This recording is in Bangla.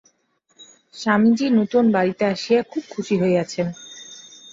স্বামীজী নূতন বাড়ীতে আসিয়া খুব খুশী হইয়াছেন।